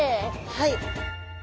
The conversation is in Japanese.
はい。